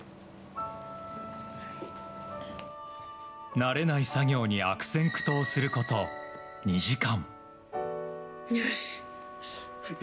慣れない作業に悪戦苦闘すること２時間。